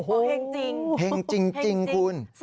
โอ้โหแห่งจริงคุณ